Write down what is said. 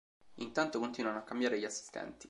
Intanto continuano a cambiare gli assistenti.